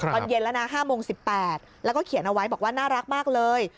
ตอนเย็นแล้วนะ๕โมง๑๘แล้วก็เขียนเอาไว้บอกว่าน่ารักมากเลย